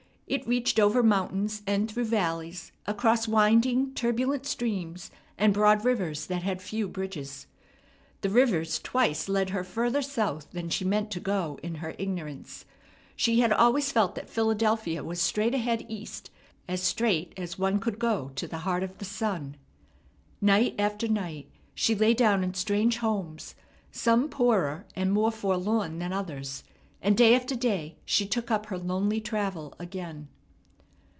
It reached over mountains and through valleys, across winding, turbulent streams and broad rivers that had few bridges. The rivers twice led her further south than she meant to go, in her ignorance. She had always felt that Philadelphia was straight ahead east, as straight as one could go to the heart of the sun. Night after night she lay down in strange homes, some poorer and more forlorn than others; and day after day she took up her lonely travel again.